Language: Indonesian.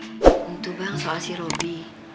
tentu bang soal si robi